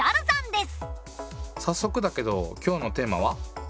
さっそくだけど今日のテーマは？